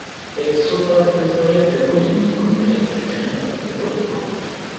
Esso tratta di svariati argomenti di commedia, scienza e politica.